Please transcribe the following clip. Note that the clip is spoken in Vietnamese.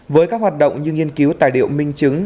với các hoạt động như nghiên cứu tài liệu minh chứng